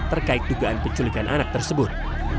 terkait dugaan penculikan anak tersebut